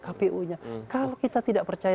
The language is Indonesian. kpu nya kalau kita tidak percaya